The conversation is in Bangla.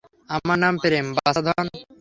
আমার নাম প্রেম, বাচাধন।